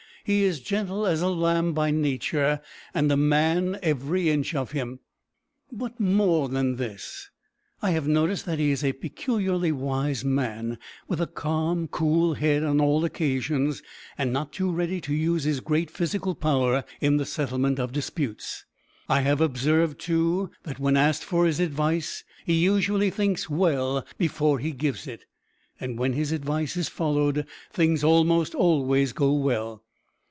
He is gentle as a lamb by nature, and a man every inch of him. But, more than this, I have noticed that he is a peculiarly wise man, with a calm, pool head on all occasions, and not too ready to use his great physical power in the settlement of disputes. I have observed, too, that when asked for his advice, he usually thinks well before he gives it, and when his advice is followed things almost always go well.